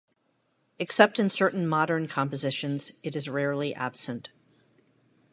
Except in certain modern compositions, it is rarely absent.